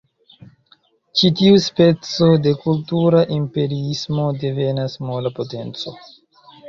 Ĉi tiu speco de kultura imperiismo devenas "mola potenco".